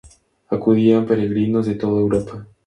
Acudían peregrinos de toda Europa.